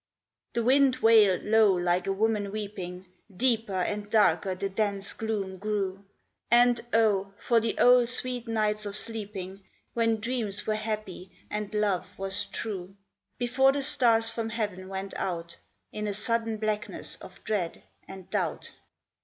The wind wailed low like a woman weeping; Deeper and darker the dense gloom grew. And, oh! for the old, sweet nights of sleeping, When dreams were happy, and love was true. Before the stars from heaven went out In a sudden blackness of dread and doubt.